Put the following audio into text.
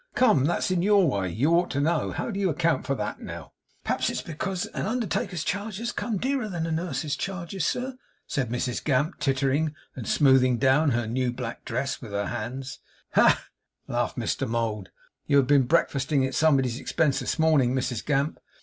Come, that's in your way; you ought to know. How do you account for that now?' 'Perhaps it is because an undertaker's charges comes dearer than a nurse's charges, sir,' said Mrs Gamp, tittering, and smoothing down her new black dress with her hands. 'Ha, ha!' laughed Mr Mould. 'You have been breakfasting at somebody's expense this morning, Mrs Gamp.